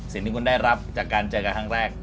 สิ่งที่คุณได้รับจากการเจอกันครั้งแรก